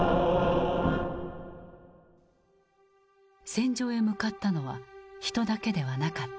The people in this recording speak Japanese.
戦場へ向かったのは人だけではなかった。